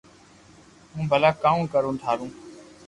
ھون ڀلا ڪاو ڪرو ٿارو